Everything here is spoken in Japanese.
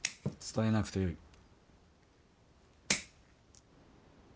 伝えなくてよい。